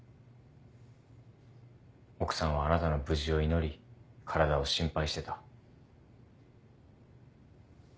奥さんはあなたの無事を祈り体を心配してた。